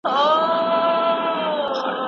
اباسین مست بهیږي، جنګ نن د چناب جنګ دی